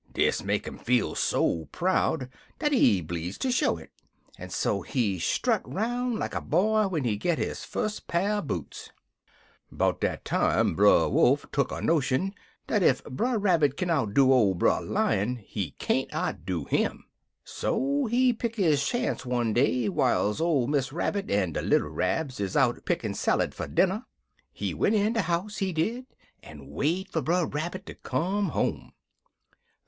Dis make 'im feel so proud dat he bleedz ter show it, en so he strut 'roun' like a boy when he git his fust pa'r er boots. "'Bout dat time, Brer Wolf tuck a notion dat ef Brer Rabbit kin outdo ole Brer Lion, he can't outdo him. So he pick his chance one day whiles ole Miss Rabbit en de little Rabs is out pickin' sallid for dinner. He went in de house, he did, en wait fer Brer Rabbit ter come home.